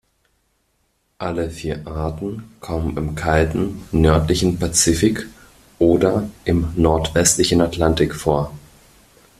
Alle vier Arten kommen im kalten nördlichen Pazifik oder im nordwestlichen Atlantik vor.